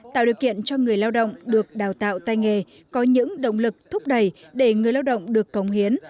tạo điều kiện cho người lao động được đào tạo tay nghề có những động lực thúc đẩy để người lao động được cống hiến